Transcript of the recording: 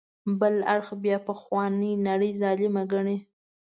بل اړخ بیا پخوانۍ نړۍ ظالمه ګڼي.